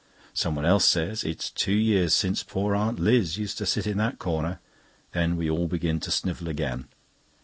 Someone else says: 'It's two years since poor Aunt Liz used to sit in that corner.' Then we all begin to snivel again.